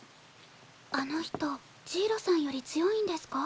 あの人ジイロさんより強いんですか？